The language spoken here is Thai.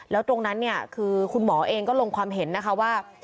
แล้วตรงนั้นเนี่ยคือคุณหมอเองก็ลงความเห็นนะคะว่า